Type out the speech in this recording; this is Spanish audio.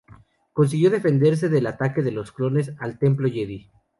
Consiguió defenderse del ataque de los clones al Templo Jedi.